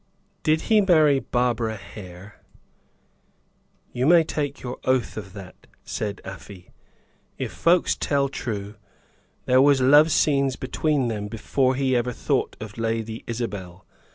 "Did he marry Barbara Hare?" "You may take your oath of that," said Afy. "If folks tell true, there was love scenes between them before he ever thought of Lady Isabel.